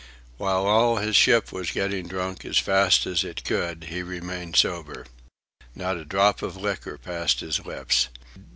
While all his ship was getting drunk as fast as it could, he remained sober. Not a drop of liquor passed his lips.